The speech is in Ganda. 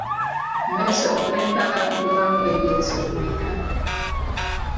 Omweso ogw’empaka gubaamu ebyeso bimeka?